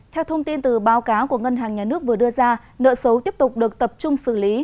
theo thông tin từ báo cáo của ngân hàng nhà nước vừa đưa ra nợ xấu tiếp tục được tập trung xử lý